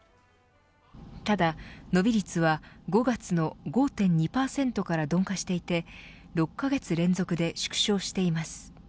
ただ伸び率は５月の５．２％から鈍化していて６カ月連続で縮小しています。